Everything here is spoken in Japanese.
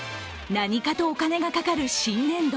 何かとお金がかかる新年度。